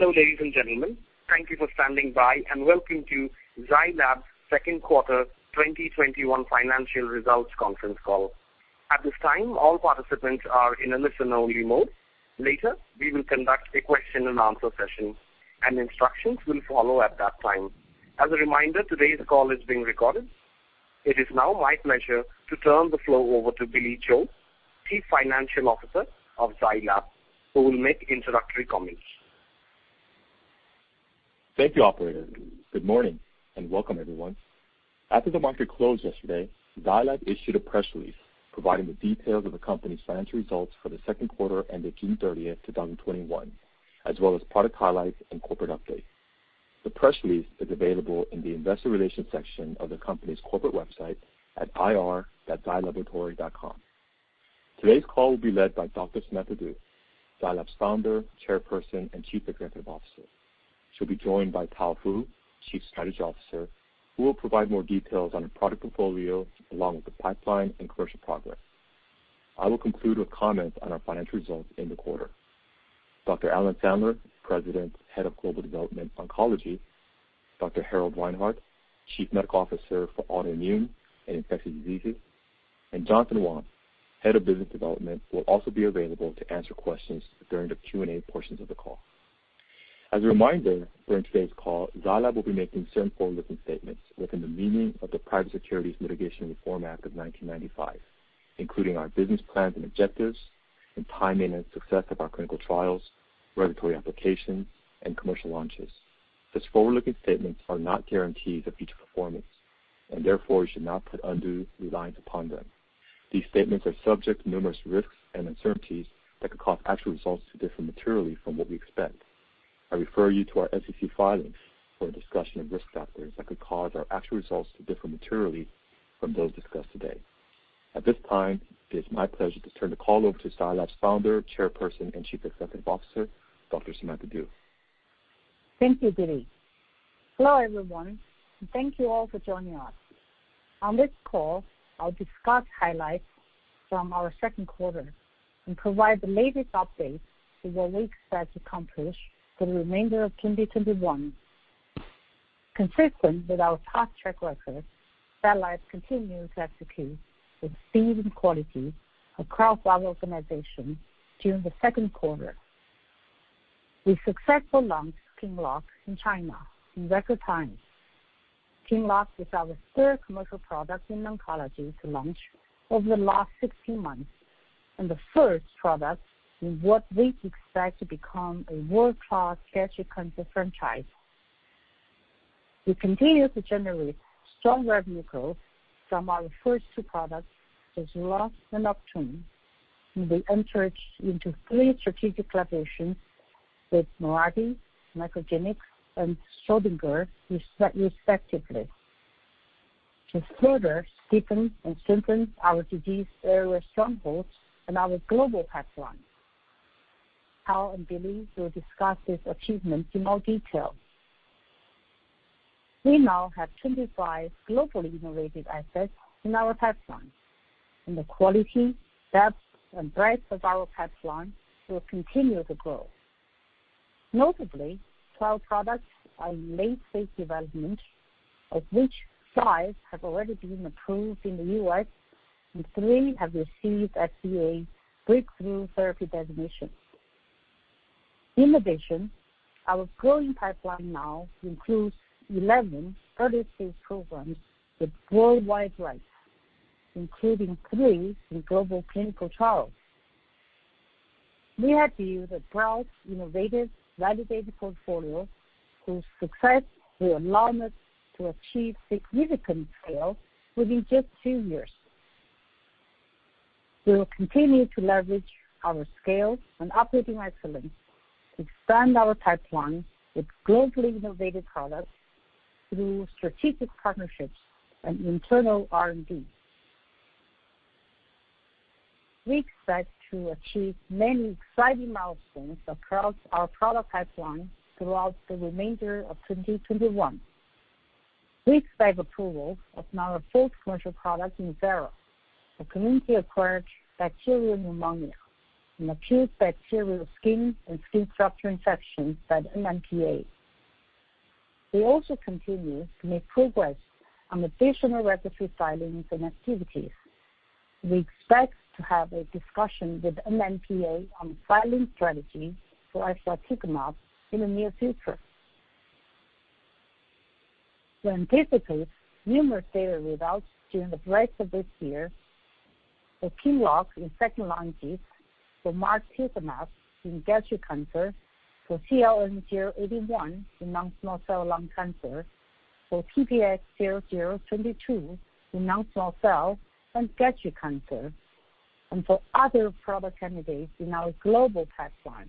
Hello, ladies and gentlemen. Thank you for standing by, and welcome to Zai Lab's second quarter 2021 financial results conference call. At this time, all participants are in a listen-only mode. Later, we will conduct a question and answer session, and instructions will follow at that time. As a reminder, today's call is being recorded. It is now my pleasure to turn the floor over to Billy Cho, Chief Financial Officer of Zai Lab, who will make introductory comments. Thank you, operator. Good morning. Welcome, everyone. After the market closed yesterday, Zai Lab issued a press release providing the details of the company's financial results for the second quarter ended June 30th, 2021, as well as product highlights and corporate updates. The press release is available in the investor relations section of the company's corporate website at ir.zailaboratory.com. Today's call will be led by Dr. Samantha Du, Zai Lab's Founder, Chairperson, and Chief Executive Officer. She'll be joined by Tao Fu, Chief Strategy Officer, who will provide more details on the product portfolio along with the pipeline and commercial progress. I will conclude with comments on our financial results in the quarter. Dr. Alan Sandler, President, Head of Global Development, Oncology; Dr. Harald Reinhart, Chief Medical Officer for Autoimmune and Infectious Diseases; and Jonathan Wang, Head of Business Development, will also be available to answer questions during the Q&A portions of the call. As a reminder, during today's call, Zai Lab will be making certain forward-looking statements within the meaning of the Private Securities Litigation Reform Act of 1995, including our business plans and objectives and timing and success of our clinical trials, regulatory applications, and commercial launches. These forward-looking statements are not guarantees of future performance and therefore you should not put undue reliance upon them. These statements are subject to numerous risks and uncertainties that could cause actual results to differ materially from what we expect. I refer you to our SEC filings for a discussion of risk factors that could cause our actual results to differ materially from those discussed today. At this time, it is my pleasure to turn the call over to Zai Lab's founder, Chairperson, and Chief Executive Officer, Dr. Samantha Du. Thank you, Billy. Hello, everyone. Thank you all for joining us. On this call, I'll discuss highlights from our second quarter and provide the latest updates on what we expect to accomplish for the remainder of 2021. Consistent with our past track record, Zai Lab continues to execute with speed and quality across our organization during the second quarter. We successfully launched QINLOCK in China in record time. QINLOCK is our third commercial product in oncology to launch over the last 16 months, and the first product in what we expect to become a world-class gastric cancer franchise. We continue to generate strong revenue growth from our first two products, ZEJULA and Optune. We entered into three strategic collaborations with Mirati, MacroGenics, and Schrödinger respectively to further deepen and strengthen our disease area strongholds and our global pipeline. Tao and Billy will discuss these achievements in more detail. We now have 25 globally innovative assets in our pipeline, and the quality, depth, and breadth of our pipeline will continue to grow. Notably, 12 products are in late-phase development, of which five have already been approved in the U.S. and three have received FDA Breakthrough Therapy Designation. In addition, our growing pipeline now includes 11 early-stage programs with worldwide rights, including three in global clinical trials. We are viewed a broad, innovative, validated portfolio whose success will allow us to achieve significant sales within just a few years. We will continue to leverage our scale and operating excellence to expand our pipeline with globally innovative products through strategic partnerships and internal R&D. We expect to achieve many exciting milestones across our product pipeline throughout the remainder of 2021. We expect approval of our fourth commercial product in NUZYRA for community-acquired bacterial pneumonia and acute bacterial skin and skin structure infections by the NMPA. We also continue to make progress on additional regulatory filings and activities. We expect to have a discussion with NMPA on the filing strategy for margetuximab in the near future. We anticipate numerous data readouts during the rest of this year for QINLOCK in second-line GIST, for margetuximab in gastric cancer, for CLN-081 in non-small cell lung cancer, for TPX-0022 in non-small cell and gastric cancer, and for other product candidates in our global pipeline.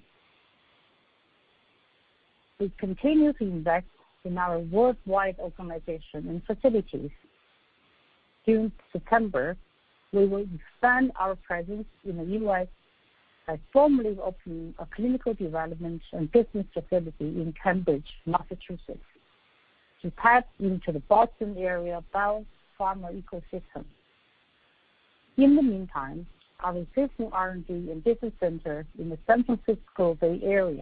We continue to invest in our worldwide organization and facilities. During September, we will expand our presence in the U.S. by formally opening a clinical development and business facility in Cambridge, Massachusetts to tap into the Boston area bio-pharma ecosystem. In the meantime, our existing R&D and business centers in the San Francisco Bay Area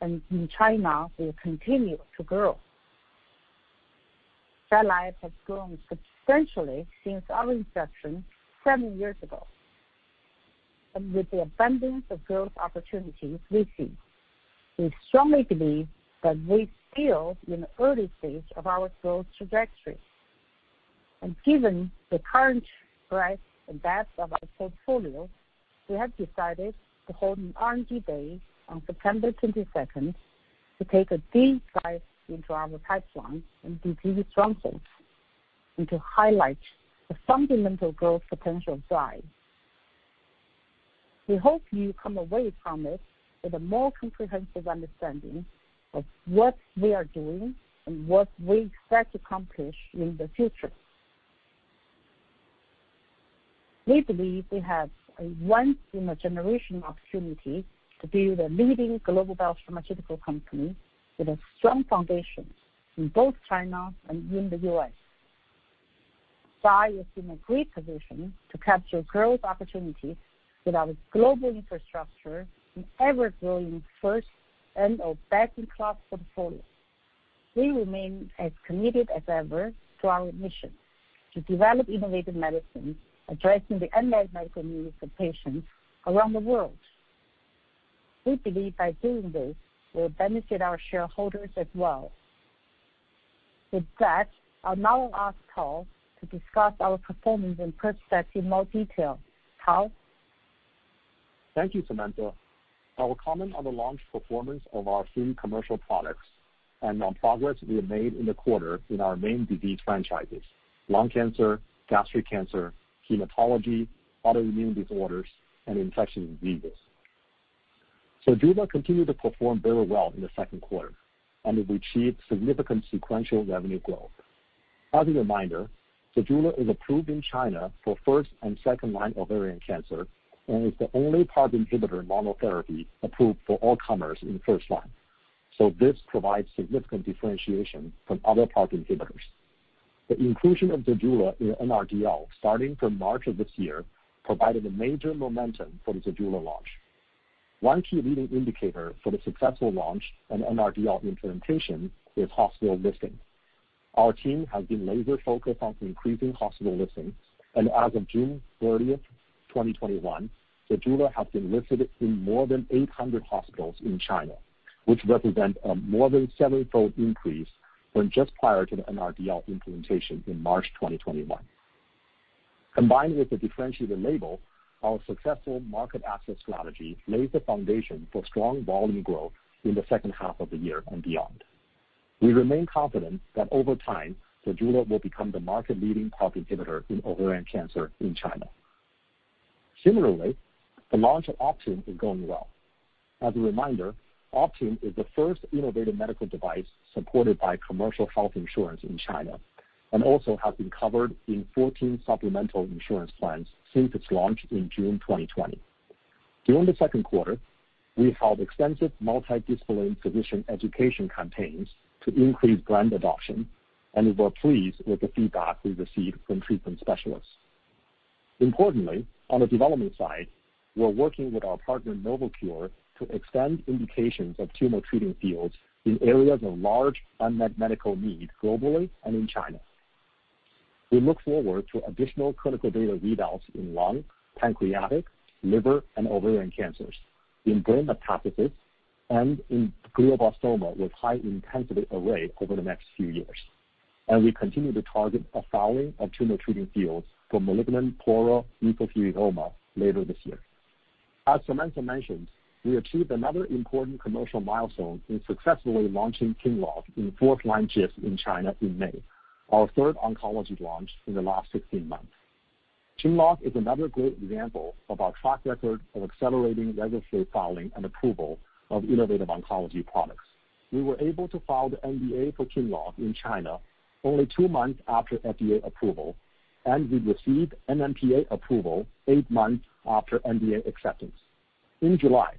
and in China will continue to grow. Zai Lab has grown substantially since our inception seven years ago. With the abundance of growth opportunities we see, we strongly believe that we are still in the early stage of our growth trajectory. Given the current breadth and depth of our portfolio, we have decided to hold an R&D day on September 22nd to take a deep dive into our pipeline and disease strongholds and to highlight the fundamental growth potential of Zai. We hope you come away from it with a more comprehensive understanding of what we are doing and what we expect to accomplish in the future. We believe we have a once-in-a-generation opportunity to build a leading global biopharmaceutical company with a strong foundation in both China and in the U.S. Zai is in a great position to capture growth opportunities with our global infrastructure and ever-growing first and/or best-in-class portfolio. We remain as committed as ever to our mission to develop innovative medicines addressing the unmet medical needs of patients around the world. We believe by doing this, we'll benefit our shareholders as well. With that, I'll now ask Tao to discuss our performance and prospects in more detail. Tao? Thank you, Samantha. I will comment on the launch performance of our three commercial products and on progress we have made in the quarter in our main disease franchises: lung cancer, gastric cancer, hematology, autoimmune disorders, and infectious diseases. ZEJULA continued to perform very well in the second quarter and it achieved significant sequential revenue growth. As a reminder, ZEJULA is approved in China for first and second-line ovarian cancer and is the only PARP inhibitor monotherapy approved for all comers in the first-line. This provides significant differentiation from other PARP inhibitors. The inclusion of ZEJULA in NRDL starting from March of this year, provided a major momentum for the ZEJULA launch. One key leading indicator for the successful launch and NRDL implementation is hospital listing. Our team has been laser-focused on increasing hospital listings, and as of June 30th, 2021, ZEJULA has been listed in more than 800 hospitals in China, which represent a more than seven-fold increase from just prior to the NRDL implementation in March 2021. Combined with the differentiated label, our successful market access strategy lays the foundation for strong volume growth in the second half of the year and beyond. We remain confident that over time, ZEJULA will become the market-leading PARP inhibitor in ovarian cancer in China. Similarly, the launch of Optune is going well. As a reminder, Optune is the first innovative medical device supported by commercial health insurance in China, and also has been covered in 14 supplemental insurance plans since its launch in June 2020. During the second quarter, we held extensive multi-discipline physician education campaigns to increase brand adoption. We were pleased with the feedback we received from treatment specialists. Importantly, on the development side, we're working with our partner, Novocure, to extend indications of Tumor Treating Fields in areas of large unmet medical need globally and in China. We look forward to additional clinical data readouts in lung, pancreatic, liver, and ovarian cancers, in brain metastases, and in glioblastoma with high intensity array over the next few years. We continue to target a filing of Tumor Treating Fields for malignant pleural mesothelioma later this year. As Samantha mentioned, we achieved another important commercial milestone in successfully launching QINLOCK in fourth-line GIST in China in May, our third oncology launch in the last 16 months. QINLOCK is another great example of our track record of accelerating regulatory filing and approval of innovative oncology products. We were able to file the NDA for QINLOCK in China only two months after FDA approval, and we received NMPA approval eight months after NDA acceptance. In July,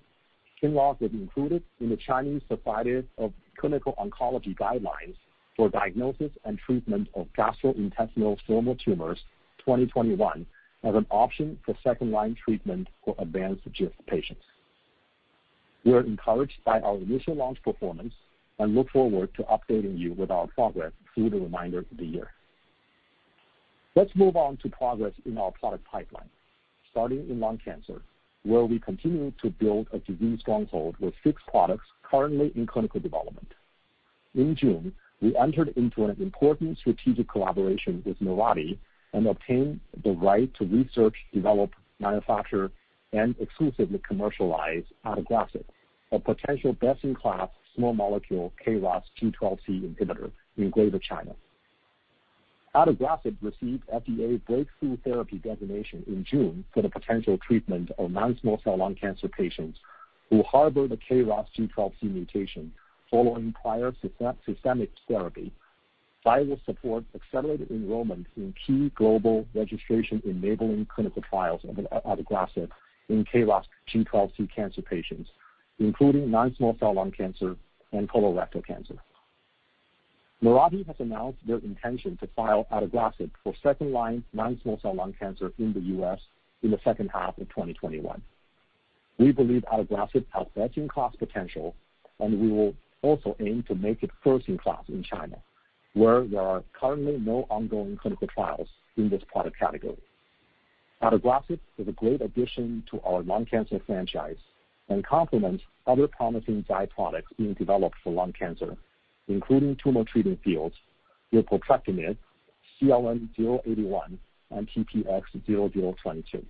QINLOCK was included in the Chinese Society of Clinical Oncology guidelines for diagnosis and treatment of Gastrointestinal Stromal Tumors 2021 as an option for second-line treatment for advanced GIST patients. We are encouraged by our initial launch performance and look forward to updating you with our progress through the remainder of the year. Let's move on to progress in our product pipeline, starting in lung cancer, where we continue to build a disease stronghold with six products currently in clinical development. In June, we entered into an important strategic collaboration with Mirati and obtained the right to research, develop, manufacture, and exclusively commercialize adagrasib, a potential best-in-class small molecule KRAS G12C inhibitor in Greater China. Adagrasib received FDA breakthrough therapy designation in June for the potential treatment of non-small cell lung cancer patients who harbor the KRAS G12C mutation following prior systemic therapy. Zai will support accelerated enrollment in key global registration-enabling clinical trials of adagrasib in KRAS G12C cancer patients, including non-small cell lung cancer and colorectal cancer. Mirati has announced their intention to file adagrasib for second-line non-small cell lung cancer in the U.S. in the second half of 2021. We believe adagrasib has best-in-class potential, we will also aim to make it first-in-class in China, where there are currently no ongoing clinical trials in this product category. Adagrasib is a great addition to our lung cancer franchise and complements other promising Zai products being developed for lung cancer, including Tumor Treating Fields, repotrectinib, CLN-081, and TPX-0022.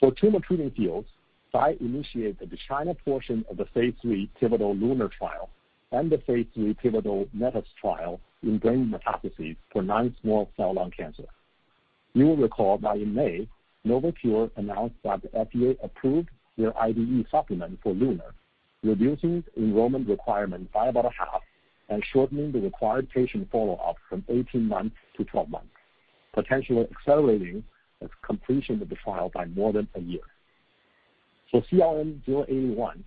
For Tumor Treating Fields, Zai initiated the China portion of the phase III pivotal LUNAR trial and the phase III pivotal METIS trial in brain metastases for non-small cell lung cancer. You will recall that in May, Novocure announced that the FDA approved their IDE supplement for LUNAR, reducing enrollment requirements by about a half and shortening the required patient follow-up from 18 months to 12 months, potentially accelerating the completion of the trial by more than a year. For CLN-081,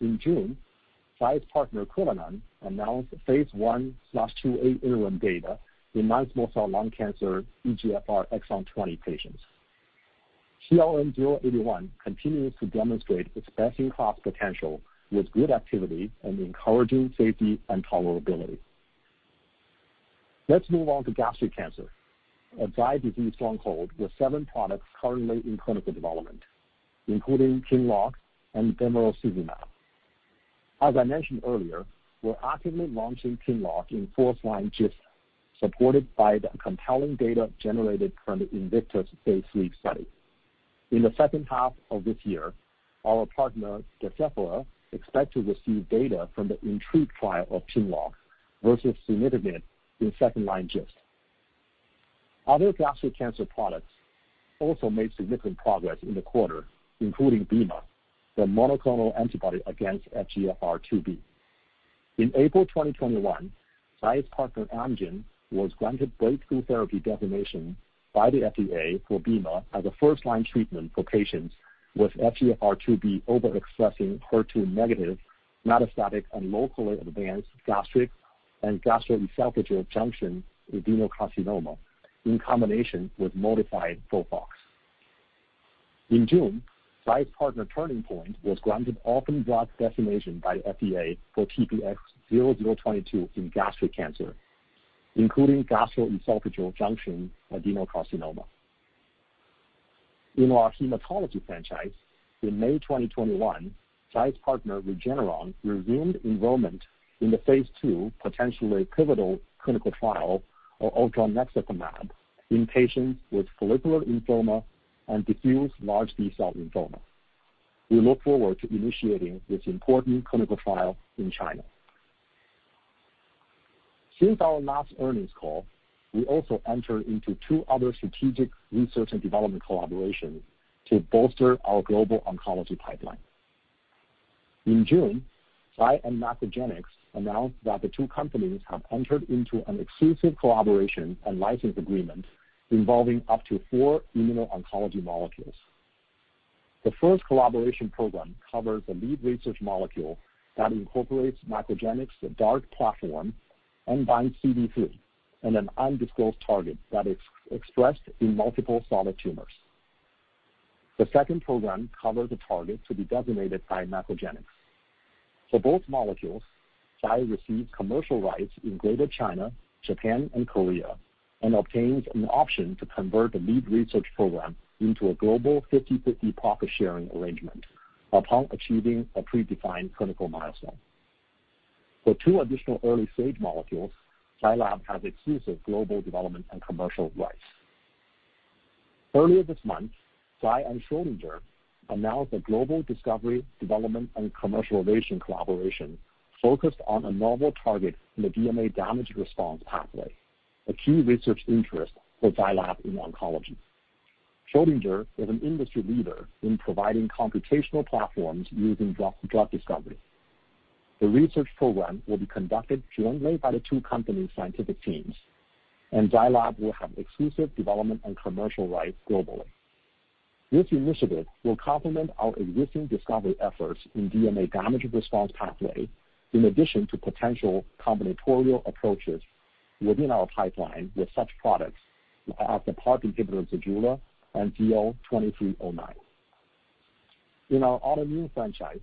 in June, Zai's partner Cullinan Oncology announced phase I/II-A interim data in non-small cell lung cancer EGFR exon 20 patients. CLN-081 continues to demonstrate its best-in-class potential with good activity and encouraging safety and tolerability. Let's move on to gastric cancer, a Zai Lab disease stronghold with seven products currently in clinical development, including QINLOCK and bemarituzumab. As I mentioned earlier, we're actively launching QINLOCK in fourth-line GIST, supported by the compelling data generated from the INVICTUS phase III study. In the second half of this year, our partner, Deciphera, expects to receive data from the INTRIGUE trial of QINLOCK versus sunitinib in second-line GIST. Other gastric cancer products also made significant progress in the quarter, including bemarituzumab, the monoclonal antibody against FGFR2b. In April 2021, Zai Lab's partner Amgen was granted breakthrough therapy designation by the FDA for bemarituzumab as a first-line treatment for patients with FGFR2b overexpressing, HER2-negative, metastatic and locally advanced gastric and gastroesophageal junction adenocarcinoma in combination with modified FOLFOX. In June, Zai's partner Turning Point was granted orphan drug designation by the FDA for TPX-0022 in gastric cancer, including gastroesophageal junction adenocarcinoma. In our hematology franchise, in May 2021, Zai's partner Regeneron resumed enrollment in the phase II potentially pivotal clinical trial of odronextamab in patients with follicular lymphoma and diffuse large B-cell lymphoma. We look forward to initiating this important clinical trial in China. Since our last earnings call, we also entered into two other strategic research and development collaborations to bolster our global oncology pipeline. In June, Zai and MacroGenics announced that the two companies have entered into an exclusive collaboration and license agreement involving up to four immuno-oncology molecules. The first collaboration program covers a lead research molecule that incorporates MacroGenics' DART platform and binds CD3 and an undisclosed target that is expressed in multiple solid tumors. The second program covers a target to be designated by MacroGenics. For both molecules, Zai receives commercial rights in Greater China, Japan, and Korea, and obtains an option to convert the lead research program into a global 50/50 profit-sharing arrangement upon achieving a predefined clinical milestone. For two additional early-stage molecules, Zai Lab has exclusive global development and commercial rights. Earlier this month, Zai and Schrödinger announced a global discovery, development, and commercialization collaboration focused on a novel target in the DNA damage response pathway, a key research interest for Zai Lab in oncology. Schrödinger is an industry leader in providing computational platforms used in drug discovery. The research program will be conducted jointly by the two companies' scientific teams, and Zai Lab will have exclusive development and commercial rights globally. This initiative will complement our existing discovery efforts in DNA damage response pathway, in addition to potential combinatorial approaches within our pipeline with such products as the PARP inhibitor ZEJULA and ZL-2309. In our autoimmune franchise,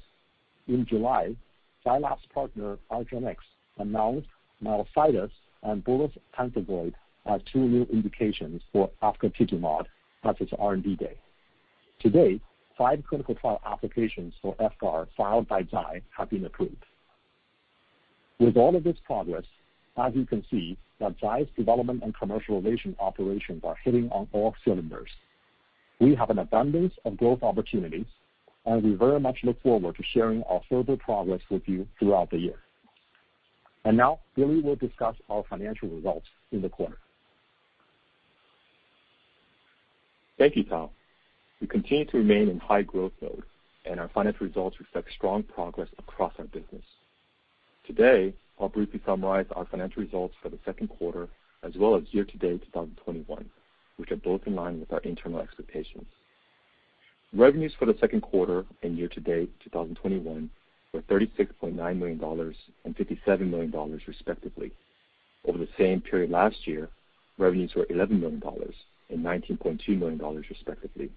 in July, Zai Lab's partner, argenx, announced myelofibrosis and bullous pemphigoid as two new indications for efgartigimod at its R&D day. To date, five clinical trial applications for FR filed by Zai have been approved. With all of this progress, as you can see, that Zai's development and commercialization operations are hitting on all cylinders. We have an abundance of growth opportunities, we very much look forward to sharing our further progress with you throughout the year. Now, Billy will discuss our financial results in the quarter. Thank you, Tao. We continue to remain in high growth mode, and our financial results reflect strong progress across our business. Today, I'll briefly summarize our financial results for the second quarter as well as year-to-date 2021, which are both in line with our internal expectations. Revenues for the second quarter and year-to-date 2021 were $36.9 million and $57 million respectively. Over the same period last year, revenues were $11 million and $19.2 million respectively.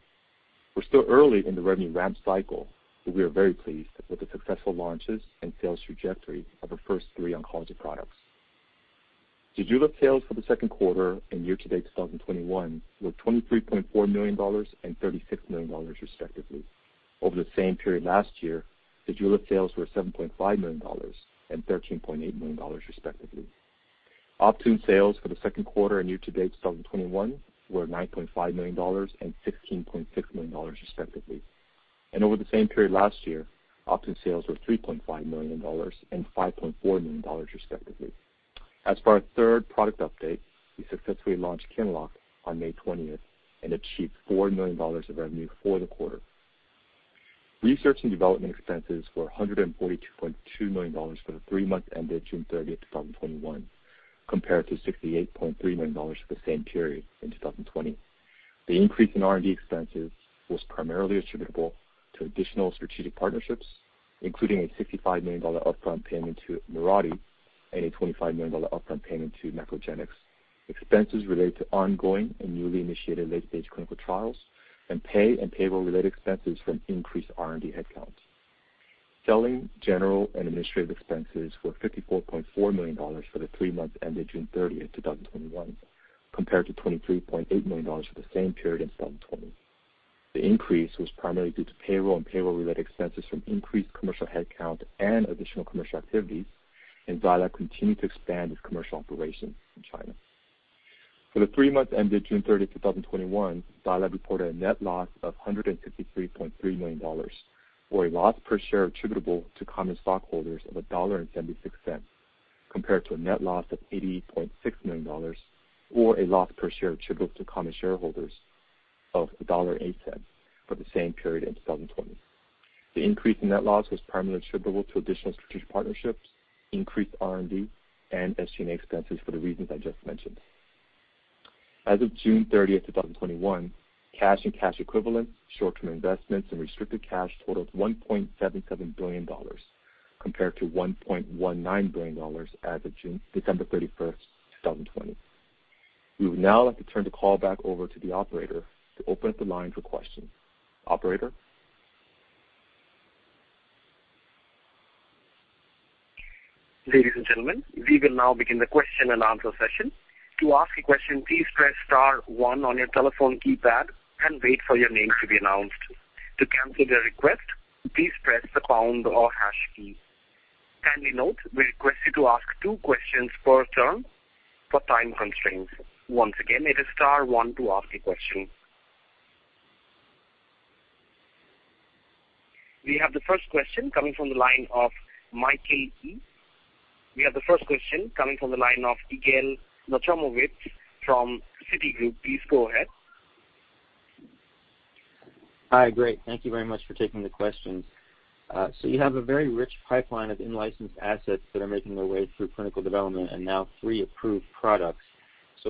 We're still early in the revenue ramp cycle, but we are very pleased with the successful launches and sales trajectory of our first 3 oncology products. ZEJULA sales for the second quarter and year-to-date 2021 were $23.4 million and $36 million respectively. Over the same period last year, ZEJULA sales were $7.5 million and $13.8 million respectively. Optune sales for the second quarter and year to date 2021 were $9.5 million and $16.6 million respectively. Over the same period last year, Optune sales were $3.5 million and $5.4 million respectively. As for our third product update, we successfully launched QINLOCK on May 20th and achieved $4 million of revenue for the quarter. Research and development expenses were $142.2 million for the three months ended June 30th, 2021, compared to $68.3 million for the same period in 2020. The increase in R&D expenses was primarily attributable to additional strategic partnerships, including a $65 million upfront payment to Mirati and a $25 million upfront payment to MacroGenics, expenses related to ongoing and newly initiated late-stage clinical trials, and pay and payroll-related expenses from increased R&D headcounts. Selling, general, and administrative expenses were $54.4 million for the three months ended June 30th, 2021, compared to $23.8 million for the same period in 2020. The increase was primarily due to payroll and payroll-related expenses from increased commercial headcount and additional commercial activities. Zai Lab continued to expand its commercial operations in China. For the three months ended June 30th, 2021, Zai Lab reported a net loss of $153.3 million, or a loss per share attributable to common stockholders of $1.76, compared to a net loss of $88.6 million or a loss per share attributable to common shareholders of $1.08 for the same period in 2020. The increase in net loss was primarily attributable to additional strategic partnerships, increased R&D, and SG&A expenses for the reasons I just mentioned. As of June 30th, 2021, cash and cash equivalents, short-term investments, and restricted cash totaled $1.77 billion, compared to $1.19 billion as of December 31st, 2020. We would now like to turn the call back over to the operator to open up the line for questions. Operator? Ladies and gentlemen, we will now begin the question and answer session. To ask a question, please press star one on your telephone keypad and wait for your name to be announced. To cancel the request, please press the pound or hash key. Handy note, we request you to ask two questions per turn for time constraints. Once again, it is star one to ask a question. We have the first question coming from the line of Michael Yee. We have the first question coming from the line of Yigal Nochomovitz from Citigroup. Please go ahead. Hi. Great. Thank you very much for taking the questions. You have a very rich pipeline of in-licensed assets that are making their way through clinical development and now three approved products.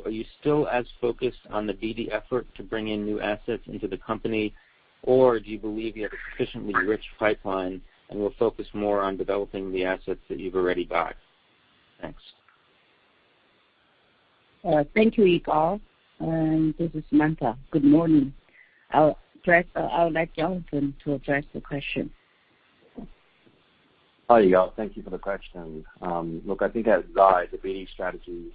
Are you still as focused on the BD effort to bring in new assets into the company, or do you believe you have a sufficiently rich pipeline and will focus more on developing the assets that you've already got? Thanks. Thank you, Yigal. This is Samantha. Good morning. I'll let Jonathan to address the question. Hi, Yigal. Thank you for the question. I think at Zai, the BD strategy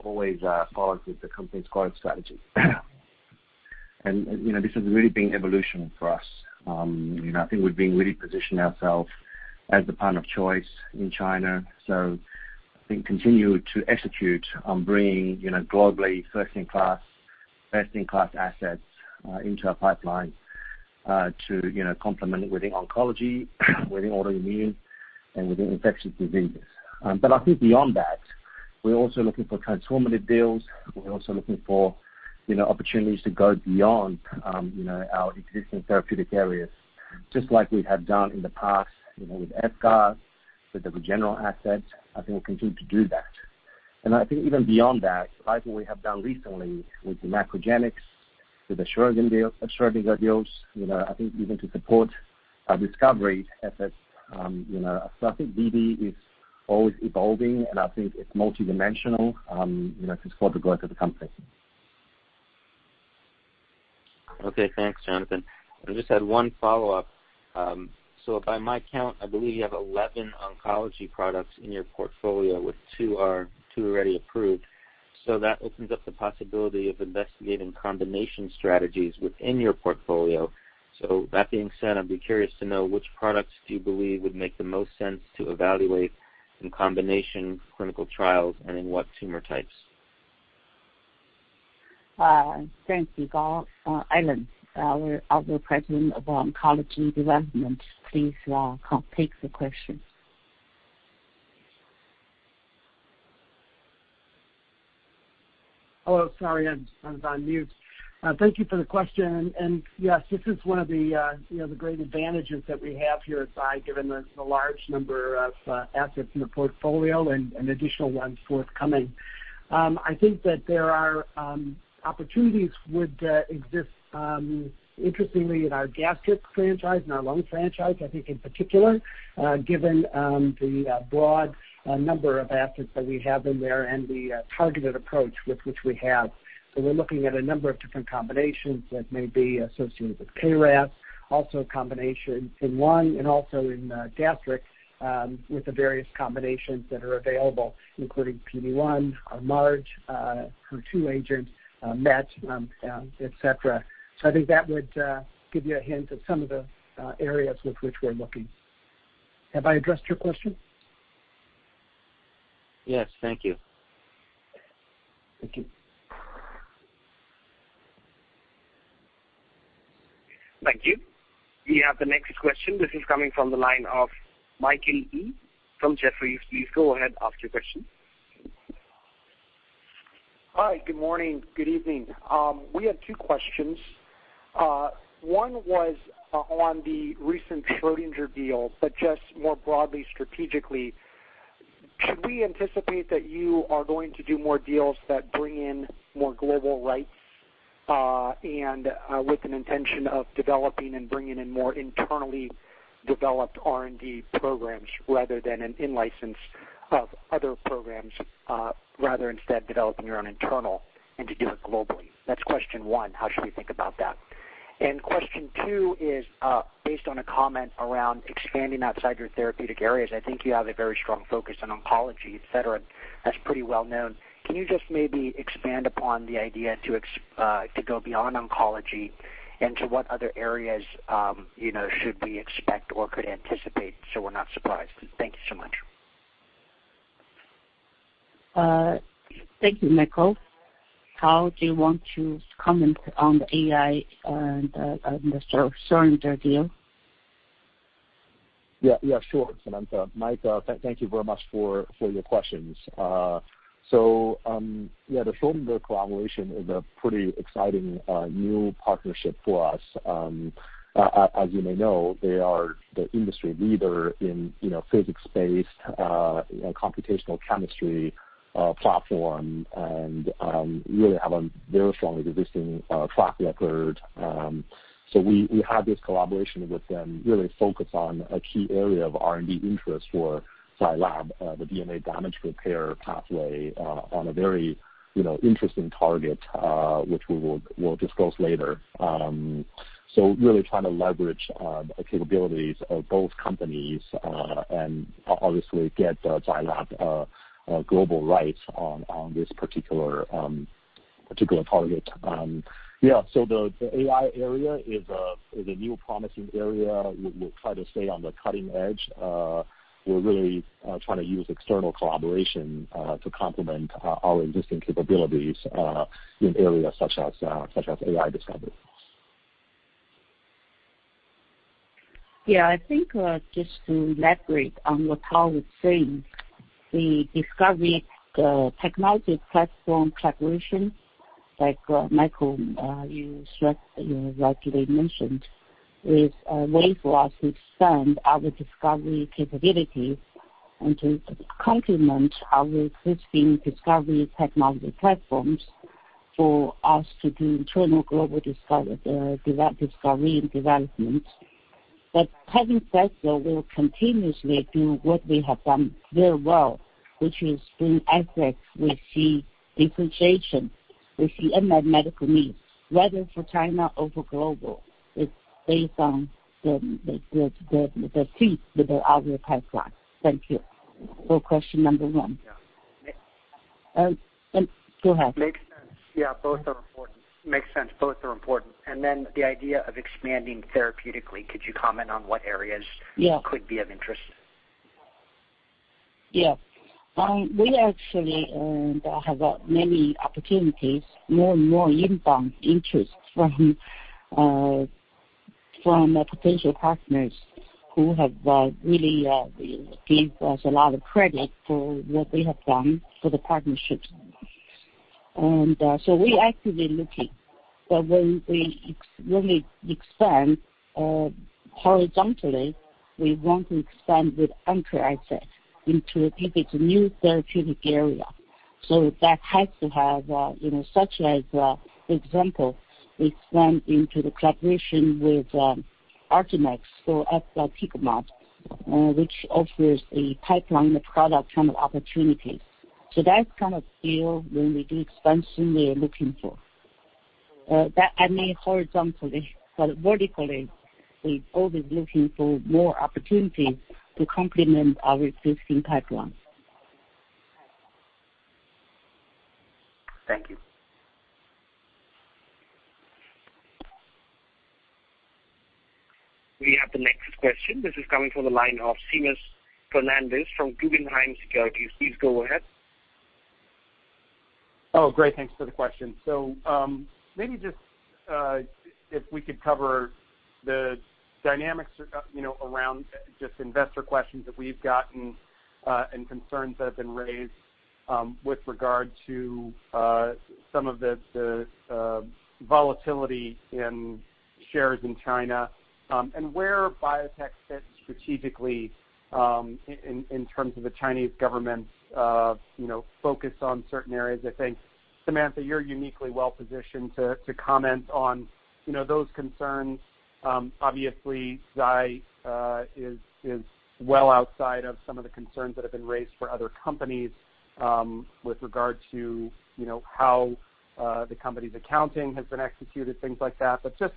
always follows with the company's growth strategy. This has really been evolution for us. I think we've been really positioning ourselves as the partner of choice in China. I think continue to execute on bringing globally best-in-class assets into our pipeline to complement within oncology, within autoimmune, and within infectious diseases. I think beyond that, we're also looking for transformative deals. We're also looking for opportunities to go beyond our existing therapeutic areas, just like we have done in the past with efgartigimod, with the general assets. I think we'll continue to do that. I think even beyond that, like we have done recently with the MacroGenics, with the odronextamab deals, I think even to support our discovery efforts. I think BD is always evolving, and I think it's multidimensional since for the growth of the company. Okay, thanks, Jonathan. I just had one follow-up. By my count, I believe you have 11 oncology products in your portfolio, with two already approved. That opens up the possibility of investigating combination strategies within your portfolio. That being said, I'd be curious to know which products do you believe would make the most sense to evaluate in combination clinical trials and in what tumor types? Thank you, Yigal. Alan, our President of Oncology Development, please take the question. Hello. Sorry, I was on mute. Thank you for the question. Yes, this is one of the great advantages that we have here at Zai Lab, given the large number of assets in the portfolio and additional ones forthcoming. I think that there are opportunities would exist, interestingly, in our gastric franchise and our lung franchise, I think, in particular, given the broad number of assets that we have in there and the targeted approach with which we have. We're looking at a number of different combinations that may be associated with KRAS, also combinations in one and also in gastric, with the various combinations that are available, including PD-1, or Marge, for two agents, MET, et cetera. I think that would give you a hint of some of the areas with which we're looking. Have I addressed your question? Yes. Thank you. Thank you. Thank you. We have the next question. This is coming from the line of Michael Yee from Jefferies. Please go ahead, ask your question. Hi, good morning. Good evening. We have two questions. One was on the recent Schrödinger deal, but just more broadly strategically, should we anticipate that you are going to do more deals that bring in more global rights, and with an intention of developing and bringing in more internally developed R&D programs rather than an in-license of other programs, rather instead developing your own internal and to do it globally? That's question one. How should we think about that? Question two is based on a comment around expanding outside your therapeutic areas. I think you have a very strong focus on oncology, et cetera. That's pretty well known. Can you just maybe expand upon the idea to go beyond oncology and to what other areas should we expect or could anticipate so we're not surprised? Thank you so much. Thank you, Michael. Tao, do you want to comment on the AI and the Schrödinger deal? Samantha. Mike, thank you very much for your questions. The Schrödinger collaboration is a pretty exciting new partnership for us. As you may know, they are the industry leader in physics-based computational chemistry platform and really have a very strongly existing track record. We have this collaboration with them really focused on a key area of R&D interest for Zai Lab, the DNA damage response pathway, on a very interesting target, which we'll disclose later. Really trying to leverage the capabilities of both companies, and obviously get Zai Lab global rights on this particular target. The AI area is a new promising area. We'll try to stay on the cutting edge. We're really trying to use external collaboration to complement our existing capabilities in areas such as AI discovery. Yeah, I think just to elaborate on what Tao was saying, the discovery technology platform collaboration, like Michael, you rightly mentioned, is a way for us to expand our discovery capabilities and to complement our existing discovery technology platforms for us to do internal global discovery and development. Having said so, we'll continuously do what we have done very well, which is bring assets with the differentiation, with the unmet medical needs, whether for China or for global. It's based on the fit with our pipeline. Thank you for question number one. Yeah. Go ahead. Makes sense. Yeah, both are important. Makes sense. Both are important. The idea of expanding therapeutically, could you comment on what areas? Yeah. Could be of interest? Yeah. We actually have many opportunities, more and more inbound interest from potential partners who have really give us a lot of credit for what we have done for the partnerships. We're actively looking. When we expand horizontally, we want to expand with anchor assets into a different new therapeutic area. That has to have, such as example, expand into the collaboration with argenx for efgartigimod, which offers a pipeline of product kind of opportunities. That kind of field, when we do expansion, we are looking for. I mean, horizontally, but vertically, we're always looking for more opportunities to complement our existing pipeline. Thank you. We have the next question. This is coming from the line of Seamus Fernandez from Guggenheim Securities. Please go ahead. Oh, great. Thanks for the question. Maybe just if we could cover the dynamics around just investor questions that we've gotten and concerns that have been raised with regard to some of the volatility in shares in China, and where biotech fits strategically in terms of the Chinese government's focus on certain areas. I think, Samantha, you're uniquely well-positioned to comment on those concerns. Obviously, Zai is well outside of some of the concerns that have been raised for other companies with regard to how the company's accounting has been executed, things like that. Just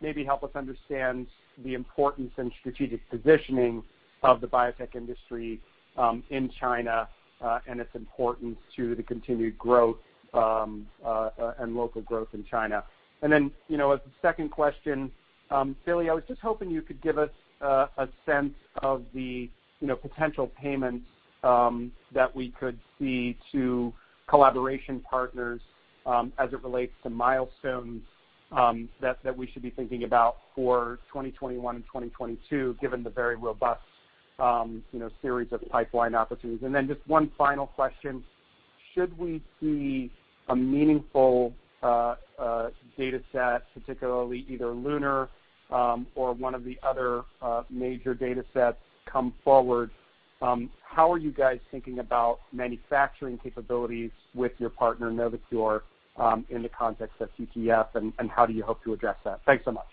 maybe help us understand the importance and strategic positioning of the biotech industry in China and its importance to the continued growth and local growth in China. As a second question, Billy, I was just hoping you could give us a sense of the potential payments that we could see to collaboration partners as it relates to milestones that we should be thinking about for 2021 and 2022, given the very robust series of pipeline opportunities. Just one final question, should we see a meaningful data set, particularly either LUNAR or one of the other major data sets come forward, how are you guys thinking about manufacturing capabilities with your partner, Novocure, in the context of TTF, and how do you hope to address that? Thanks so much.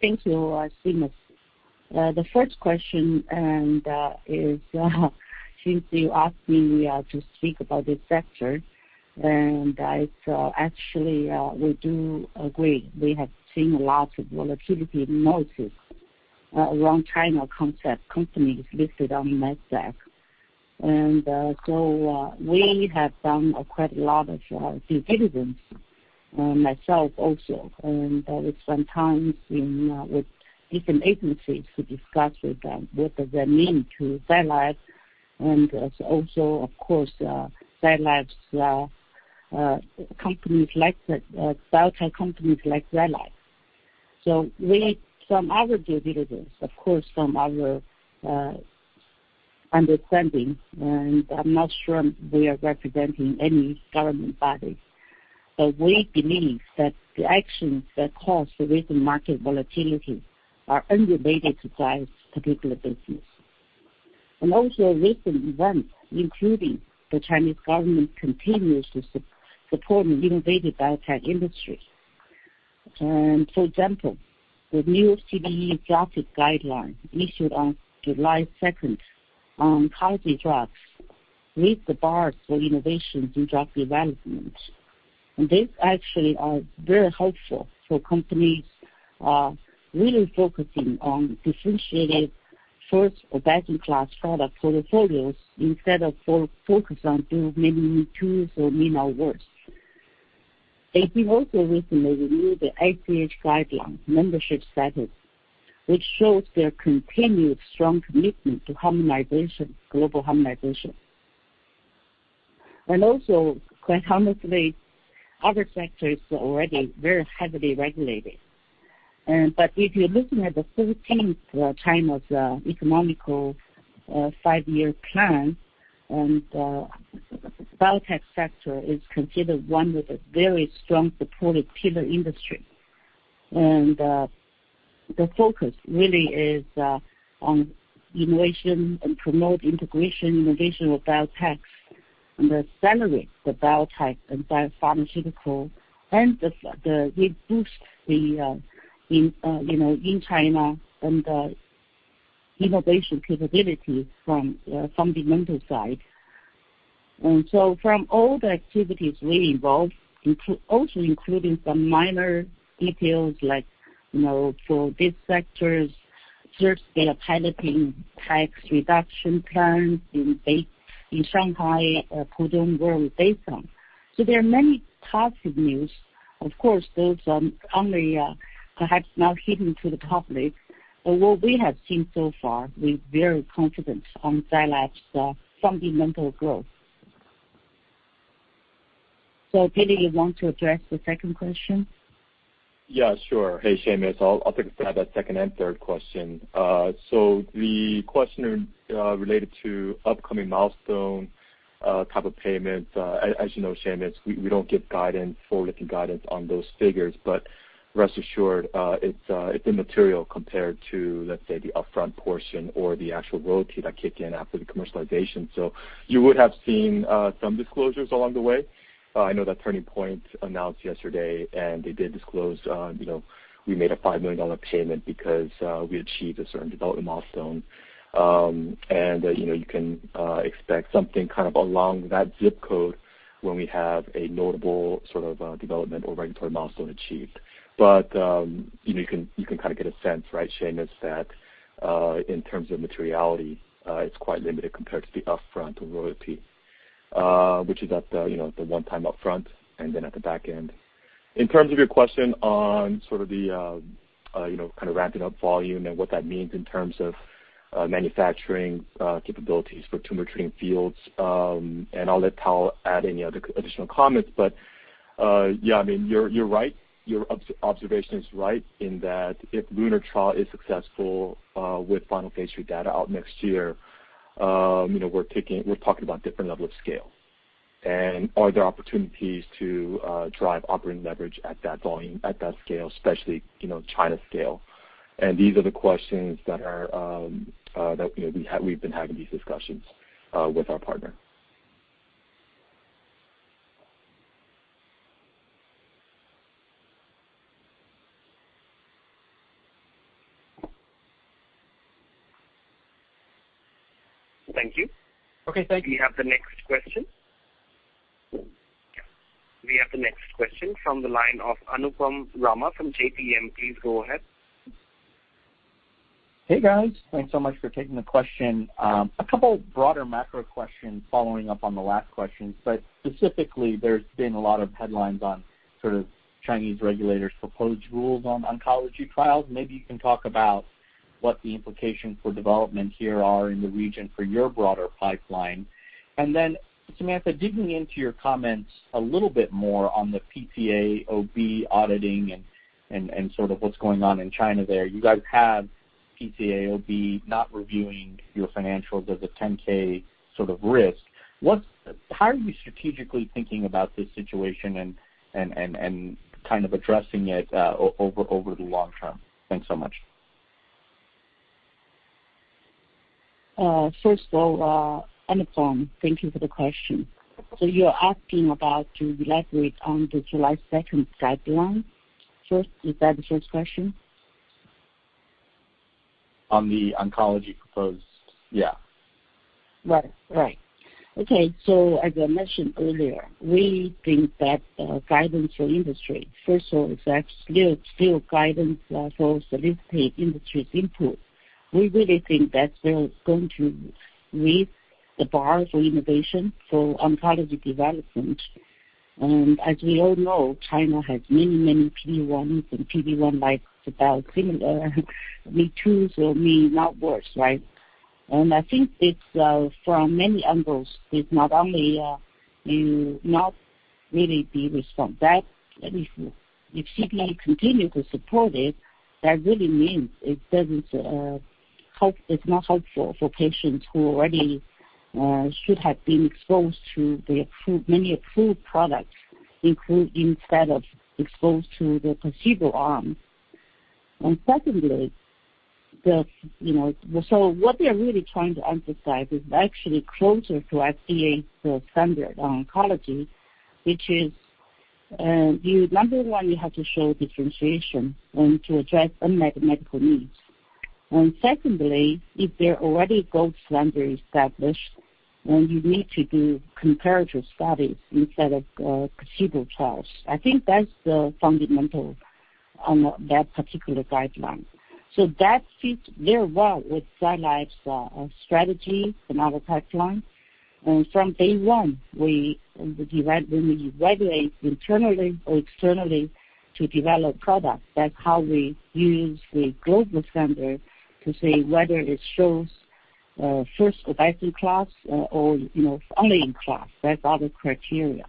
Thank you, Seamus. The first question and is since you asked me to speak about this sector, and it's actually we do agree, we have seen lots of volatility, and also around China concept companies listed on NASDAQ. So we have done quite a lot of due diligence, myself also, and we spent time with different agencies to discuss with them what does that mean to Zai Lab and also, of course, Zai Lab's companies like that, biotech companies like Zai Lab. We, from our due diligence, of course, from our understanding, and I'm not sure we are representing any government bodies, but we believe that the actions that caused the recent market volatility are unrelated to Zai's particular business. Also recent events, including the Chinese government continues to support innovative biotech industry. The new CDE draft guideline issued on July 2 on cancer drugs raised the bar for innovation through drug development. This actually are very helpful for companies really focusing on differentiated first- or best-in-class product portfolios instead of focus on build many me-too or may know worse. They've been also recently reviewed the ICH guidelines membership status, which shows their continued strong commitment to harmonization, global harmonization. Also, quite honestly, other sectors are already very heavily regulated. If you're looking at the 14th China's economic five-year plan, biotech sector is considered one with a very strong supportive pillar industry. The focus really is on innovation and promote integration, innovation with biotech and accelerate the biotech and biopharmaceutical and the big boost in China and the innovation capability from fundamental side. From all the activities we involved, also including some minor details like for these sectors, first, they are piloting tax reduction plans in base in Shanghai, Pudong where we based on. There are many positive news. Of course, those are only perhaps not hidden to the public. What we have seen so far, we very confident on Zai Lab's fundamental growth. Billy, you want to address the second question? Yeah, sure. Hey, Seamus. I'll take a stab at second and third question. The question related to upcoming milestone, type of payments, as you know, Seamus, we don't give forward-looking guidance on those figures, but rest assured, it's immaterial compared to, let's say, the upfront portion or the actual royalty that kick in after the commercialization. You would have seen some disclosures along the way. I know that Turning Point announced yesterday, and they did disclose we made a $5 million payment because we achieved a certain development milestone. You can expect something along that zip code when we have a notable sort of development or regulatory milestone achieved. You can get a sense, right, Seamus, that in terms of materiality, it's quite limited compared to the upfront or royalty, which is at the one-time upfront and then at the back end. In terms of your question on sort of the ramping up volume and what that means in terms of manufacturing capabilities for Tumor Treating Fields, and I'll let Tao add any other additional comments, but, yeah, you're right. Your observation is right in that if LUNAR trial is successful with final phase III data out next year, we're talking about different level of scale. Are there opportunities to drive operating leverage at that volume, at that scale, especially China scale? These are the questions that we've been having these discussions with our partner. Thank you. Okay, thank you. We have the next question from the line of Anupam Rama from JPM. Please go ahead. Hey, guys. Thanks so much for taking the question. Specifically, there's been a lot of headlines on sort of Chinese regulators' proposed rules on oncology trials. Maybe you can talk about what the implications for development here are in the region for your broader pipeline. Then, Samantha, digging into your comments a little bit more on the PCAOB auditing and sort of what's going on in China there. You guys have PCAOB not reviewing your financials as a 10-K sort of risk. How are you strategically thinking about this situation and kind of addressing it over the long term? Thanks so much. First of all, Anupam, thank you for the question. You're asking about your elaborate on the July 2nd guideline first. Is that the first question? On the oncology proposed, yeah. Right. Okay, as I mentioned earlier, we think that guidance for industry, first of all, that's still guidance for soliciting industry's input. We really think that they're going to raise the bar for innovation for oncology development. As we all know, China has many, many PD-1 and PD-1 biosimilar V2s or maybe not worse, right? I think it's from many angles, it's not only you not really be respond. If CDE continue to support it, that really means it's not helpful for patients who already should have been exposed to the many approved products instead of exposed to the placebo arm. Secondly, what they're really trying to emphasize is actually closer to FDA for standard oncology, which is, number one, you have to show differentiation and to address unmet medical needs. Secondly, if there are already gold standard established, then you need to do comparative studies instead of placebo trials. I think that's the fundamental on that particular guideline. That fits very well with Zai Lab's strategy for novel pipeline. From day one, when we evaluate internally or externally to develop products, that's how we use the global standard to say whether it shows first-in-class or only-in-class. That's all the criteria.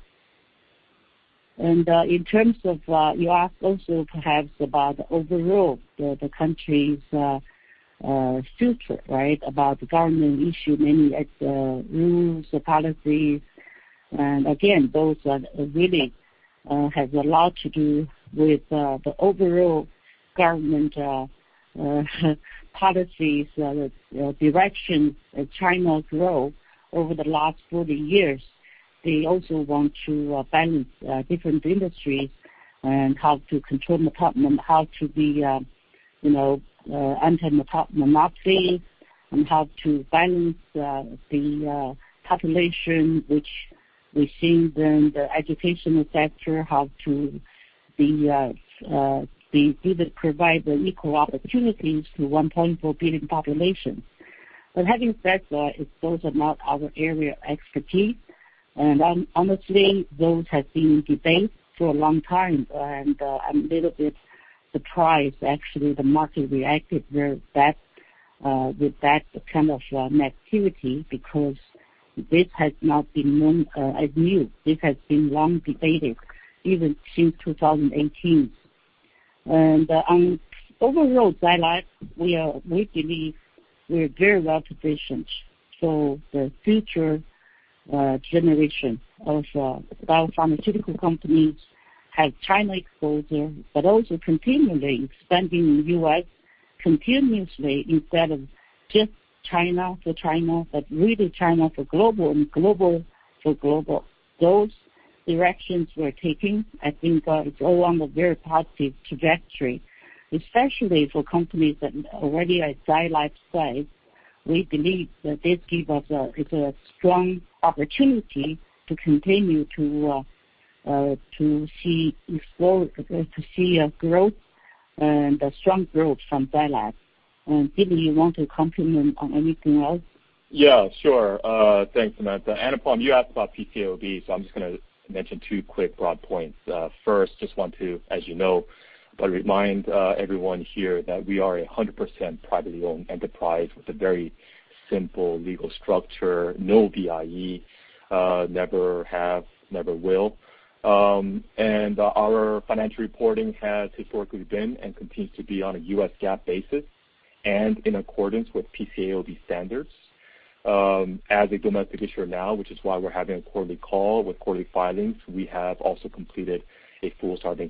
In terms of, you ask also perhaps about the overall, the country's future, right? About the government issue, many rules, policies, and again, those really have a lot to do with the overall government policies, direction of China's growth over the last 40 years. They also want to balance different industries and how to control monopoly, how to be anti-monopoly, and how to balance the population, which we've seen in the education sector, how to be able to provide the equal opportunities to 1.4 billion population. Having said that, those are not our area of expertise. Honestly, those have been debated for a long time, and I'm a little bit surprised, actually, the market reacted with that kind of negativity because this has not been as new. This has been long debated, even since 2018. On overall Zai Lab, we believe we're very well positioned for the future generation of biopharmaceutical companies have China exposure, but also continually expanding in U.S. continuously instead of just China for China, but really China for global and global for global. Those directions we're taking, I think it's all on the very positive trajectory, especially for companies that already are Zai Lab size. We believe that this give us a strong opportunity to continue to see growth and a strong growth from Zai Lab. Billy, you want to comment on anything else? Yeah, sure. Thanks, Samantha. Anupam, you asked about PCAOB. I'm just going to mention 2 quick broad points. First, just want to, you know, remind everyone here that we are a 100% privately owned enterprise with a very simple legal structure. No VIE. Never have, never will. Our financial reporting has historically been and continues to be on a U.S. GAAP basis and in accordance with PCAOB standards. As a domestic issuer now, which is why we're having a quarterly call with quarterly filings, we have also completed a full starting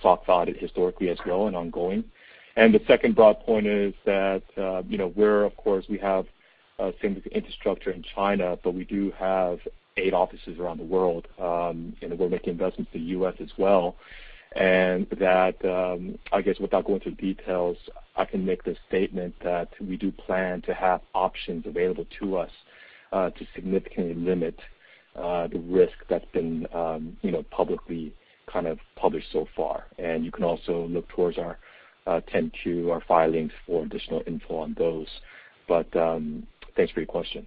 SOX audit historically as well, and ongoing. The second broad point is that we're, of course, we have significant infrastructure in China, but we do have eight offices around the world, and we're making investments in the U.S. as well. That, I guess without going through details, I can make the statement that we do plan to have options available to us, to significantly limit the risk that's been publicly kind of published so far. You can also look towards our 10-Q, our filings for additional info on those. Thanks for your question.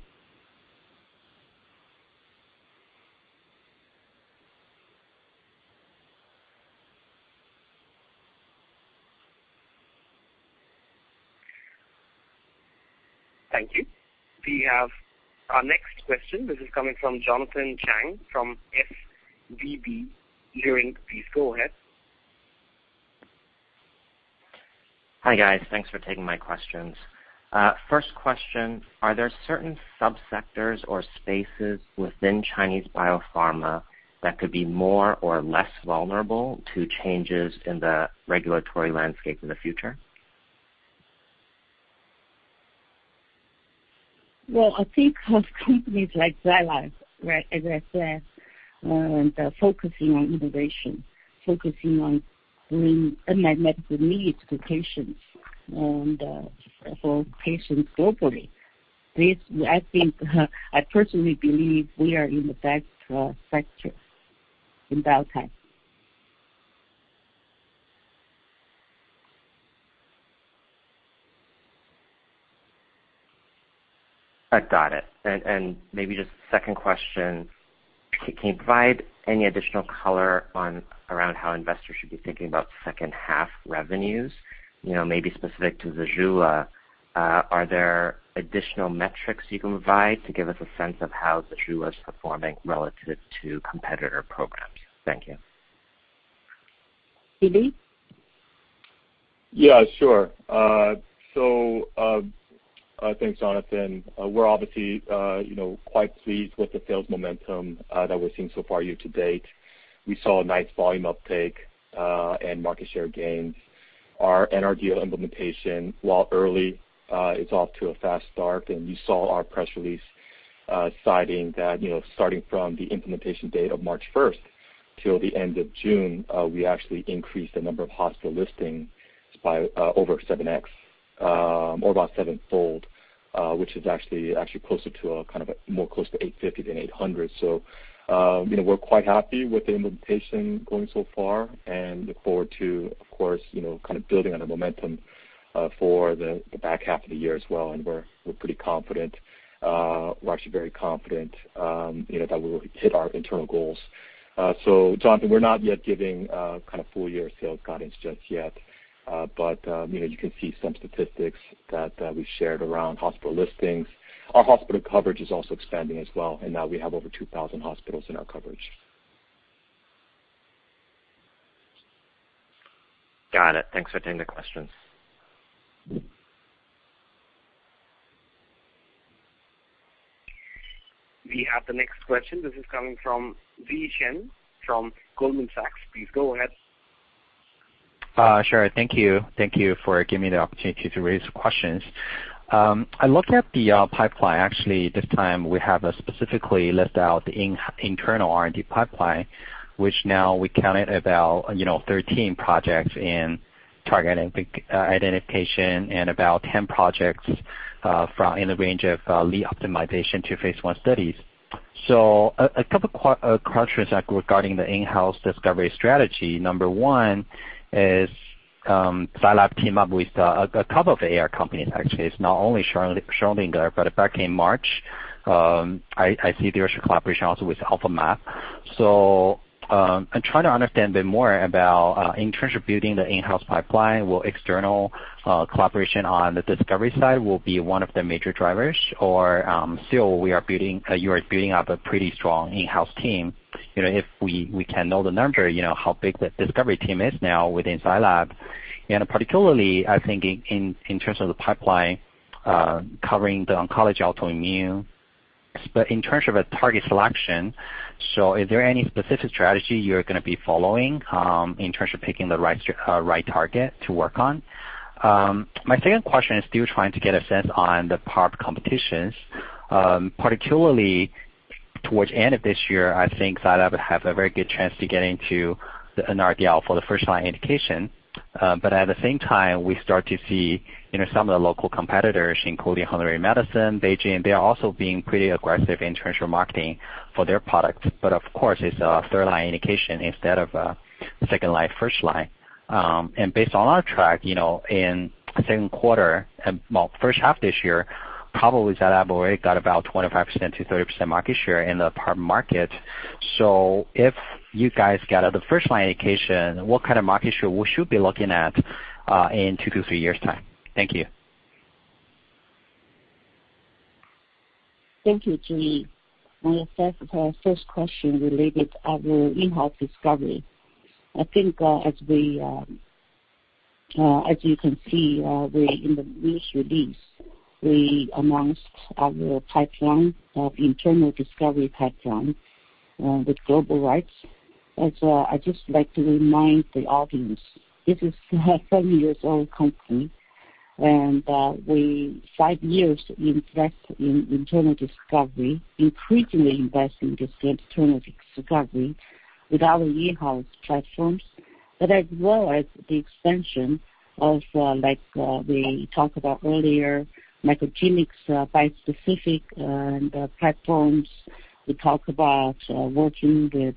Thank you. We have our next question. This is coming from Jonathan Chang from SVB Leerink. Please go ahead. Hi, guys. Thanks for taking my questions. First question, are there certain sub-sectors or spaces within Chinese biopharma that could be more or less vulnerable to changes in the regulatory landscape in the future? I think of companies like Zai Lab, as I said, that are focusing on innovation, focusing on bringing unmet medical needs to patients and for patients globally. I personally believe we are in the best sector in biotech. I got it. Maybe just second question, can you provide any additional color around how investors should be thinking about second half revenues, maybe specific to ZEJULA? Are there additional metrics you can provide to give us a sense of how ZEJULA is performing relative to competitor programs? Thank you. Billy? Yeah, sure. Thanks, Jonathan. We're obviously quite pleased with the sales momentum that we're seeing so far year to date. We saw a nice volume uptake, and market share gains. Our NRDL implementation, while early, it's off to a fast start. You saw our press release, citing that starting from the implementation date of March 1st till the end of June, we actually increased the number of hospital listings by over 7, or about sevenfold, which is actually closer to 850 than 800. We're quite happy with the implementation going so far and look forward to, of course, building on the momentum for the back half of the year as well. We're pretty confident, we're actually very confident that we will hit our internal goals. Jonathan, we're not yet giving full-year sales guidance just yet. You can see some statistics that we shared around hospital listings. Our hospital coverage is also expanding as well, and now we have over 2,000 hospitals in our coverage. Got it. Thanks for taking the questions. We have the next question. This is coming from Ziyi Chen from Goldman Sachs. Please go ahead. Sure. Thank you. Thank you for giving me the opportunity to raise questions. I looked at the pipeline actually this time, we have specifically listed out the internal R&D pipeline, which now we counted about 13 projects in target identification and about 10 projects in the range of lead optimization to phase I studies. A couple questions regarding the in-house discovery strategy. Number one is, Zai Lab team up with a couple of AR companies, actually, it's not only Schrödinger, but back in March, I see there's a collaboration also with AlphaMa. I'm trying to understand a bit more about in terms of building the in-house pipeline. Will external collaboration on the discovery side will be one of the major drivers or still you are building up a pretty strong in-house team. If we can know the number, how big the discovery team is now within Zai Lab, and particularly I think in terms of the pipeline, covering the oncology, autoimmune. In terms of a target selection, so is there any specific strategy you're going to be following, in terms of picking the right target to work on? My second question is still trying to get a sense on the PARP competitions, particularly towards end of this year, I think Zai Lab have a very good chance to get into the NRDL for the first-line indication. At the same time, we start to see some of the local competitors, including Hengrui Medicine, BeiGene. They are also being pretty aggressive in terms of marketing for their products. Of course, it's a third-line indication instead of a second-line, first-line. Based on our track, in 2nd quarter and 1st half this year, probably Zai Lab already got about 25%-30% market share in the PARP market. If you guys get the first-line indication, what kind of market share we should be looking at in two to three years' time? Thank you. Thank you, Ziyi. On the first question related our in-house discovery, I think as you can see in the news release, we announced our internal discovery pipeline with global rights. I'd just like to remind the audience, this is a seven years old company, and five years we invest in internal discovery, increasingly invest in this internal discovery with our in-house platforms. As well as the expansion of, like we talked about earlier, MacroGenics, bispecific platforms. We talked about working with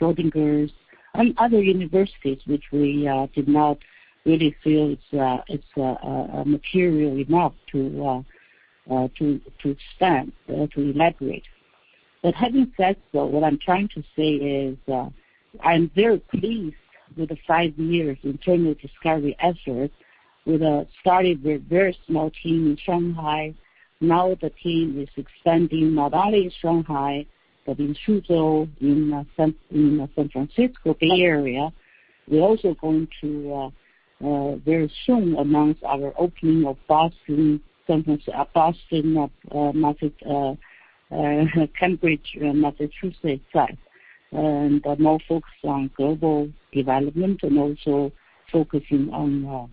Schrödinger and other universities, which we did not really feel it's material enough to expand or to elaborate. Having said so, what I'm trying to say is, I'm very pleased with the five years internal discovery effort. We started with very small team in Shanghai. Now the team is expanding, not only in Shanghai, but in Suzhou, in San Francisco Bay Area. We're also going to very soon announce our opening of Boston, Cambridge, Massachusetts site, and more focused on global development and also focusing on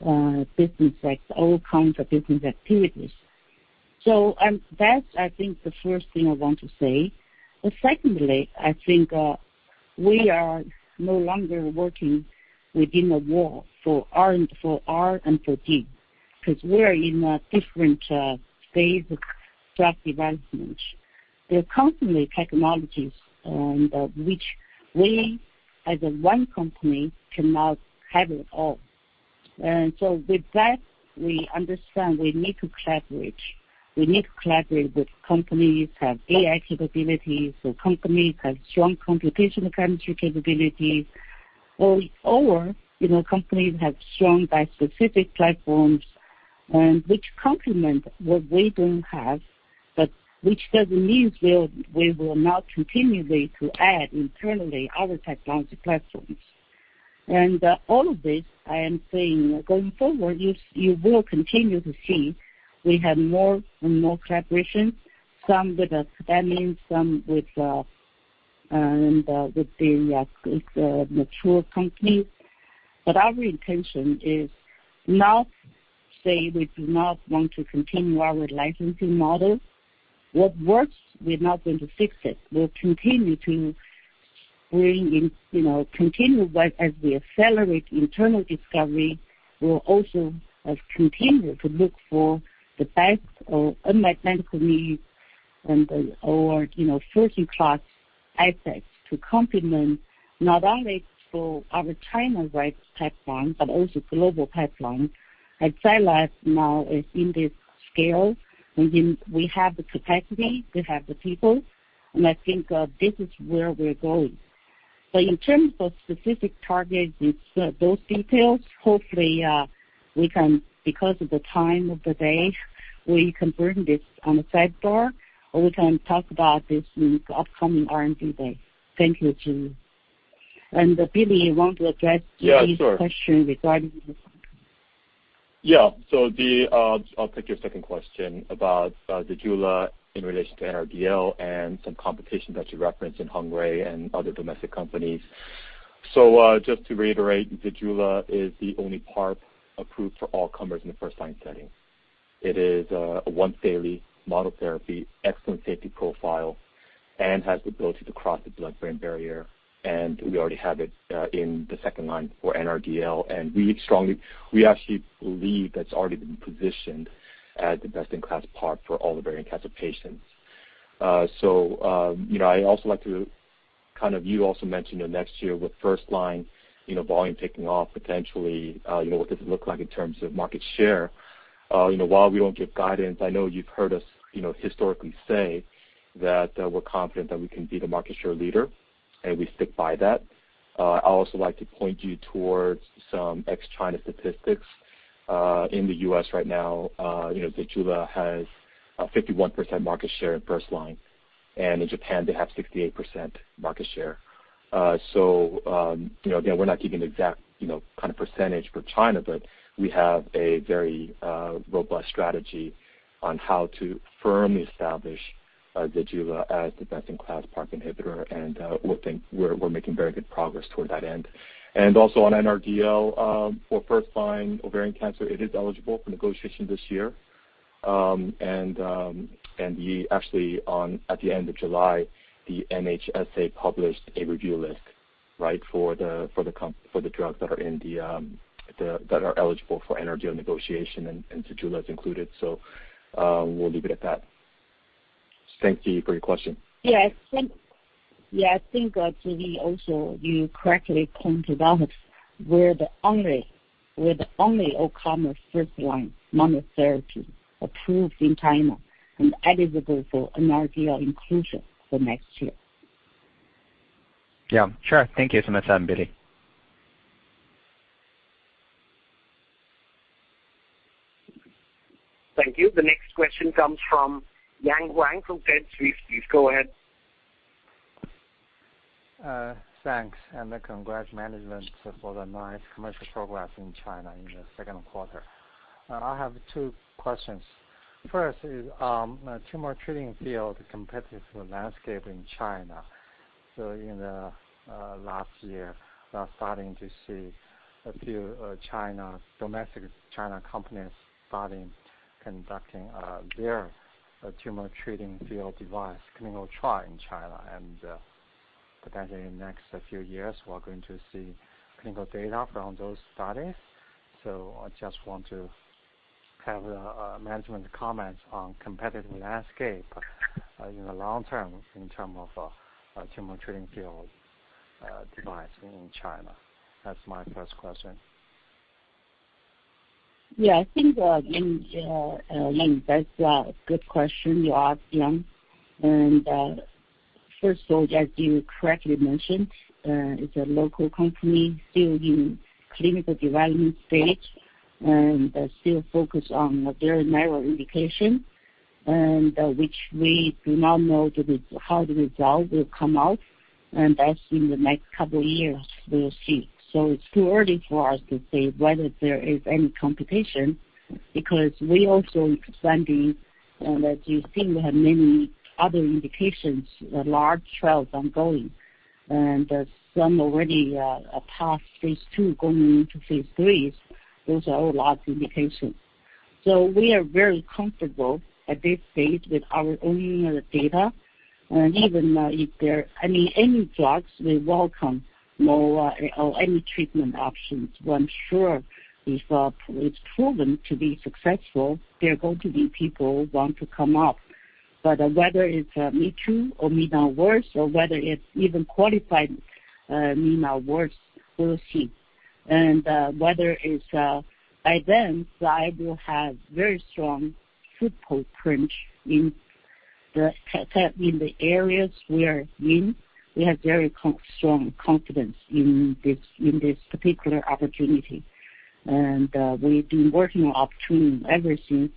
all kinds of business activities. That's, I think, the first thing I want to say. Secondly, I think we are no longer working within a wall for R&D, because we are in a different phase of drug development. There are constantly technologies and which we, as a one company, cannot have it all. With that, we understand we need to collaborate. We need to collaborate with companies have AI capabilities or companies have strong computational chemistry capabilities or companies have strong bispecific platforms and which complement what we don't have, but which doesn't mean we will not continue to add internally other technology platforms. All of this I am saying, going forward, you will continue to see we have more and more collaborations, some with academics, some with the mature companies. Our intention is not say we do not want to continue our licensing model. What works, we're not going to fix it. We'll continue as we accelerate internal discovery, we'll also continue to look for the best unmet medical needs and/or first-in-class assets to complement not only for our China rights pipeline but also global pipeline. Zai Lab now is in this scale, and we have the capacity, we have the people, and I think this is where we're going. In terms of specific targets with those details, hopefully, because of the time of the day, we can bring this on the sidebar, or we can talk about this in upcoming R&D Day. Thank you, Ziyi. Billy, you want to address? Yeah, sure. Ziyi's question regarding this one? I'll take your second question about ZEJULA in relation to NRDL and some competition that you referenced in Hengrui and other domestic companies. Just to reiterate, ZEJULA is the only PARP approved for all comers in the first-line setting. It is a once-daily monotherapy, excellent safety profile, and has the ability to cross the blood-brain barrier, and we already have it in the second-line for NRDL. We actually believe that's already been positioned as the best-in-class PARP for ovarian cancer patients. You also mentioned next year with first-line volume taking off potentially, what does it look like in terms of market share? While we won't give guidance, I know you've heard us historically say that we're confident that we can be the market share leader, and we stick by that. I also like to point you towards some ex-China statistics. In the U.S. right now, ZEJULA has a 51% market share in first line, and in Japan, they have 68% market share. Again, we're not giving the exact percentage for China, but we have a very robust strategy on how to firmly establish ZEJULA as the best-in-class PARP inhibitor, and we're making very good progress toward that end. Also on NRDL, for first-line ovarian cancer, it is eligible for negotiation this year. Actually, at the end of July, the NHSA published a review list for the drugs that are eligible for NRDL negotiation, and ZEJULA is included, so we'll leave it at that. Thank you for your question. Yeah. I think, Ziyi, also you correctly pointed out we're the only all-comer first-line monotherapy approved in China and eligible for NRDL inclusion for next year. Yeah. Sure. Thank you so much, Sam and Billy. Thank you. The next question comes from Yang Wang from Red Sea. Please go ahead. Thanks, and congrats, management, for the nice commercial progress in China in the second quarter. I have two questions. First is Tumor Treating Fields competitive landscape in China. In the last year, we are starting to see a few domestic China companies starting conducting their Tumor Treating Fields device clinical trial in China. Potentially in next few years, we're going to see clinical data from those studies. I just want to have management comment on competitive landscape in the long term in term of Tumor Treating Fields device in China. That's my first question. I think that's a good question you ask, Yang. First of all, as you correctly mentioned, it's a local company still in clinical development stage, and still focused on a very narrow indication, and which we do not know how the result will come out. That's in the next couple of years we'll see. It's too early for us to say whether there is any competition, because we also expanding, and as you've seen, we have many other indications, large trials ongoing. Some already are past phase II, going into phase IIIs. Those are all large indications. We are very comfortable at this stage with our own data. Even if there any drugs, we welcome more or any treatment options. Once sure, it's proven to be successful, there are going to be people want to come up. Whether it's me-too, or meaner worse, or whether it's even qualified meaner worse, we'll see. By then, Zai will have very strong footprint in the areas we are in. We have very strong confidence in this particular opportunity. We've been working optimally ever since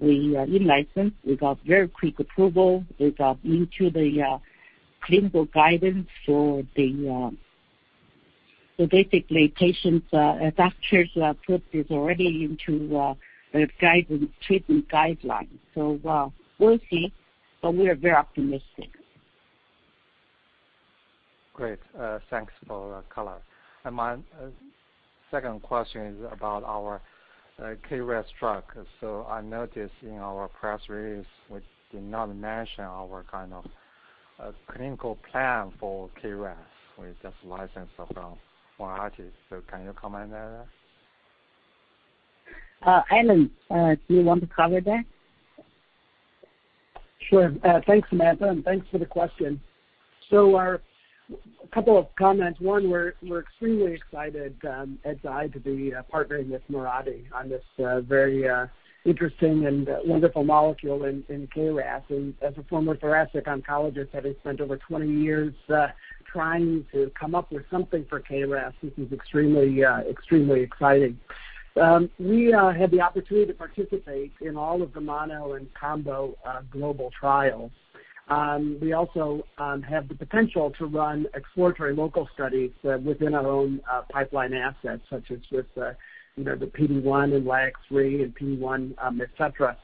we relicensed. We got very quick approval. We got into the clinical guidance, so basically, doctors put this already into the treatment guidelines. We'll see, but we are very optimistic. Great. Thanks for color. My second question is about our KRAS drug. I noticed in our press release, which did not mention our kind of clinical plan for KRAS. We just licensed from Mirati. Can you comment on that? Alan, do you want to cover that? Sure. Thanks, Samantha, and thanks for the question. A couple of comments. One, we're extremely excited at Zai to be partnering with Mirati on this very interesting and wonderful molecule in KRAS. As a former thoracic oncologist, having spent over 20 years trying to come up with something for KRAS, this is extremely exciting. We had the opportunity to participate in all of the mono and combo global trials. We also have the potential to run exploratory local studies within our own pipeline assets, such as with the PD-1 and LAG 3 and PD-1, et cetera.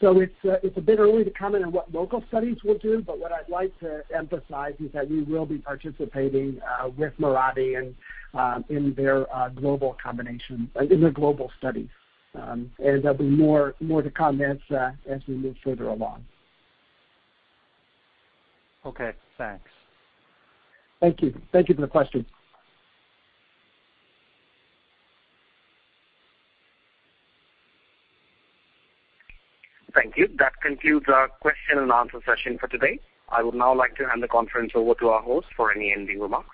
It's a bit early to comment on what local studies we'll do, but what I'd like to emphasize is that we will be participating with Mirati in their global studies. There'll be more to come as we move further along. Okay, thanks. Thank you. Thank you for the question. Thank you. That concludes our question and answer session for today. I would now like to hand the conference over to our host for any ending remarks.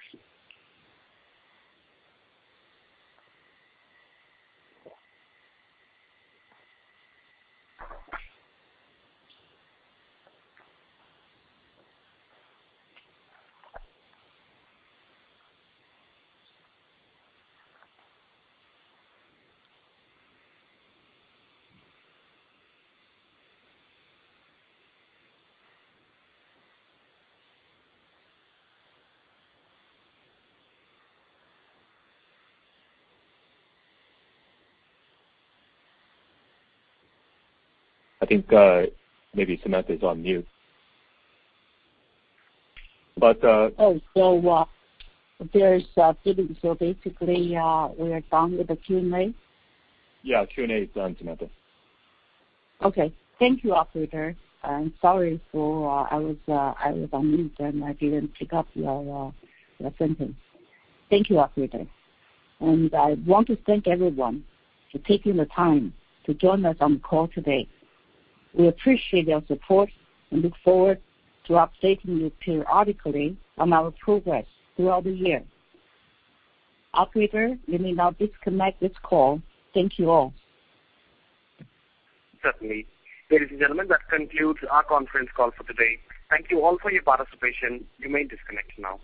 I think maybe Samantha's on mute. Oh, basically, we are done with the Q&A? Yeah, Q&A is done, Samantha. Okay. Thank you, operator. Sorry for I was on mute. I didn't pick up your sentence. Thank you, operator. I want to thank everyone for taking the time to join us on the call today. We appreciate your support and look forward to updating you periodically on our progress throughout the year. Operator, you may now disconnect this call. Thank you all. Certainly. Ladies and gentlemen, that concludes our conference call for today. Thank you all for your participation. You may disconnect now.